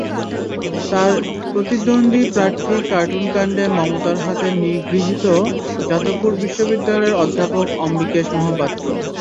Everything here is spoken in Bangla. তাঁরপ্রিতিন্দ্বী প্রার্থী কার্টুন-কাণ্ডে মমতার হাতে নিগৃহীত যাদবপুর বিশ্ববিদ্যালয়ের অধ্যাপক অম্বিকেশ মহাপাত্র।